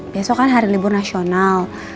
besok kan hari libur nasional